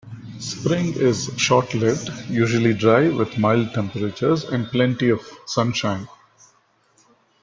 Spring is short lived, usually dry with mild temperatures and plenty of sunshine.